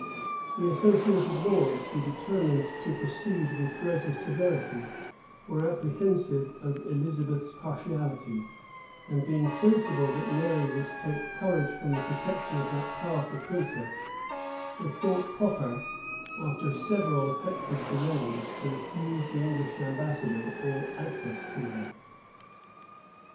[] The associated lords, who determined to proceed with greater severity, were apprehensive of Elizabeth's partiality; and being sensible that Mary would take courage from the protection of that powerful princess,[] they thought proper, after several affected delays, to refuse the English ambassador all access to her.